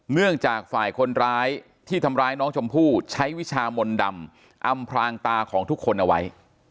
เนื่องจากฝ่ายคนร้ายที่ทำร้ายน้องชมพู่ใช้วิชามนต์ดำอำพรางตาของทุกคนเอาไว้